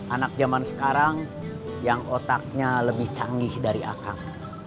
anak zaman sekarang yang otaknya lebih canggih dari akak